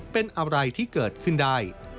เป็นอะไรที่เกิดขึ้นได้